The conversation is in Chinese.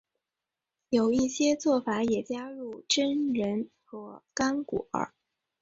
有一些做法也加入榛仁或干果。